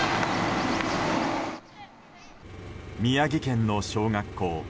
宮城県の小学校。